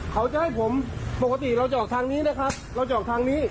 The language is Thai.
เขาจะให้ผมปกติเราจะออกทางนี้นะครับเราจะออกทางนี้